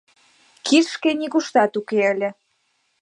Кишке нигуштат уке ыле.